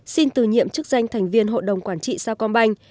xin từ nhiệm chức danh thành viên hội đồng quản trị sao công banh